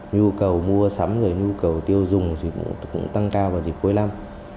nhu cầu mua sắm và nhu cầu tiêu dùng cũng tăng cao vào dịp cuối năm